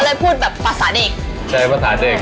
ก็เลยพูดแบบภาษาเด็ก